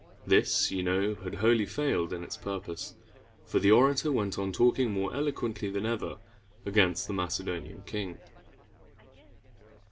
This, you know, had wholly failed in its purpose, for the orator went on talking more eloquently than ever against the Macedonian king.